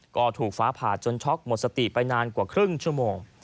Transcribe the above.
ก็ถูกฟ้าผ่าจนช็อกหมดสติไปนานกว่าครึ่งชั่วโมง